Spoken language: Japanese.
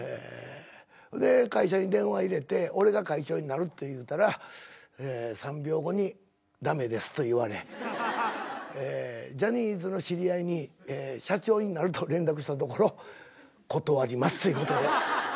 で会社に電話入れて俺が会長になるって言うたら３秒後に「駄目です」と言われジャニーズの知り合いに社長になると連絡したところ「断ります」ということで。